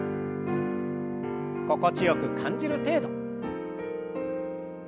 心地よく感じる程度。